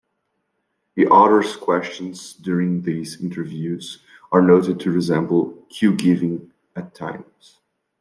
The author's questions during these interviews are noted to resemble "cue-giving" at times.